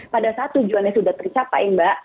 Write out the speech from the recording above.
pada saat tujuannya sudah tercapai mbak